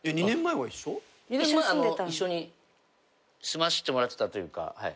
２年前一緒に住ませてもらってたというか。